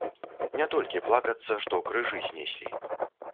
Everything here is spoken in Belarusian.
Не толькі плакацца, што крыжы знеслі.